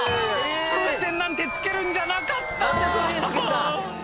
「風船なんて付けるんじゃなかったぁ！」